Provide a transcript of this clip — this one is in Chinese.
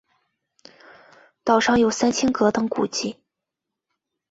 岛上有三清阁等古迹。